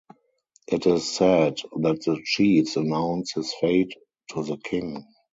It is said that the chiefs announce his fate to the king.